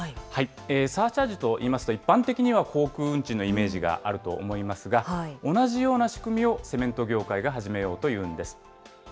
サーチャージといいますと、一般的には航空運賃のイメージがあると思いますが、同じような仕組みを、セメント業界が始めようというんです。